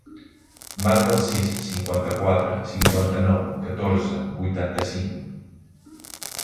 Marca el sis, cinquanta-quatre, cinquanta-nou, catorze, vuitanta-cinc.